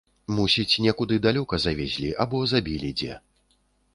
Мусіць, некуды далёка завезлі або забілі дзе.